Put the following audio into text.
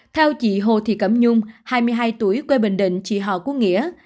theo chị hồ thị cẩm nhung hai mươi hai tuổi quê bình định chị họ của nghĩa